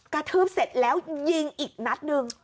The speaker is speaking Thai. ทืบเสร็จแล้วยิงอีกนัดหนึ่ง